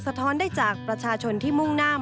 ท้อนได้จากประชาชนที่มุ่งหน้า